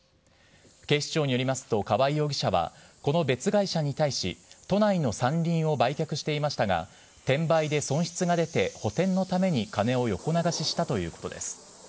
警視庁によりますと、河合容疑者は、この別会社に対し、都内の山林を売却していましたが、転売で損失が出て補填のために金を横流ししたということです。